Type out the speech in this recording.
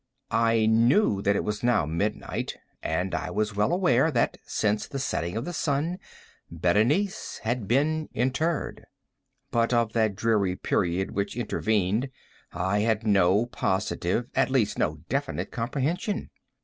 I knew that it was now midnight, and I was well aware, that since the setting of the sun, Berenice had been interred. But of that dreary period which intervened I had no positive, at least no definite comprehension.